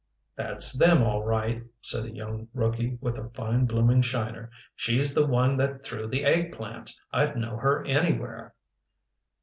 "That's them, all right," said a young rookie with a fine blooming shiner. "She's the one that threw the eggplants. I'd know her anywhere."